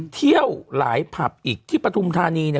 เที่ยวหลายผับอีกที่ปฐุมธานีเนี่ย